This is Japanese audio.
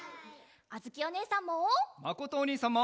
あづきおねえさんも！